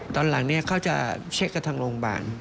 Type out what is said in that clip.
ตอนหลังเขาจะเช็คกับทางโรงพยาบาล